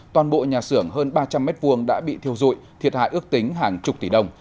toàn bộ nhà xưởng hơn ba trăm linh m hai đã bị thiêu dụi thiệt hại ước tính hàng chục tỷ đồng